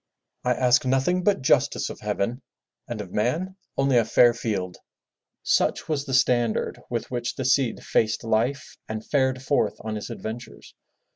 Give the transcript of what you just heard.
"I ask nothing but justice of heaven and of man only a fair field!*' Such was the standard with which the Cid faced life and fared forth on his adventures.